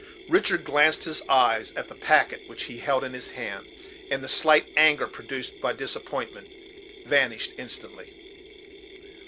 Richard glanced his eye at the packet which he held in his hand, and the slight anger produced by disappointment vanished instantly.